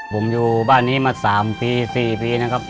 ผมอยู่บ้านนี้มา๓ปี๔ปีนะครับ